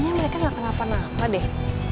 iya mereka gak kenapa napa deh